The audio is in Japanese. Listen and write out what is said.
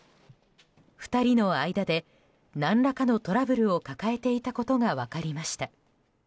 ２人の間で、何らかのトラブルを抱えていたことが分かりました。